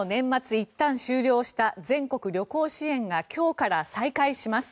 いったん終了した全国旅行支援が今日から再開します。